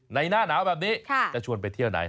หน้าหนาวแบบนี้จะชวนไปเที่ยวไหน